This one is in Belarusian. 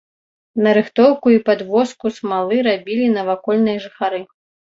Нарыхтоўку і падвозку смалы рабілі навакольныя жыхары.